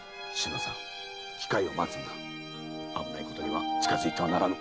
危ないことに近づいてはならぬ。